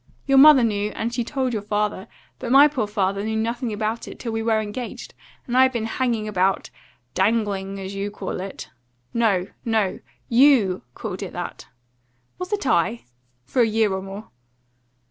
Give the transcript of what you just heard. Your mother knew, and she told your father; but my poor father knew nothing about it till we were engaged; and I had been hanging about dangling, as you call it " "No, no; YOU called it that." "Was it I? for a year or more."